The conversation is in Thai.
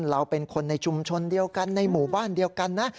เราเป็นคนในชุมชนเดียวกันในหมู่บ้านเดียวกันนะ